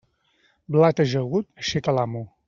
Blat ajagut, aixeca l'amo.